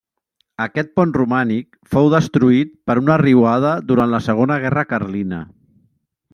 Aquest pont romànic fou destruït per una riuada durant la segona guerra carlina.